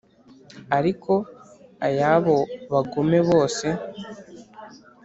ariko ay`abo bagome bose